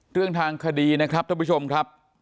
เรื่องทางคดีนะครับท่านผู้ชมครับ